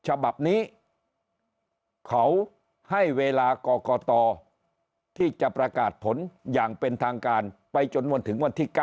ฉบับนี้เขาให้เวลากรกตที่จะประกาศผลอย่างเป็นทางการไปจนวันถึงวันที่๙